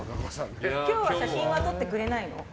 今日は写真は撮ってくれないの？